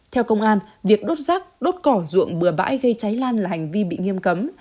theo công an việc đốt rác đốt cỏ ruộng bừa bãi gây cháy lan là hành vi bị nghiêm cấm